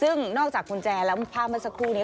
ซึ่งนอกจากกุญแจแล้วภาพเมื่อสักครู่นี้